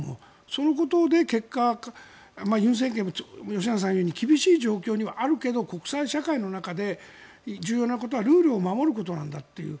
そのことで結果、尹政権吉永さんが言うように厳しい状況にはあるけど国際社会の中で重要なことはルールを守ることなんだという。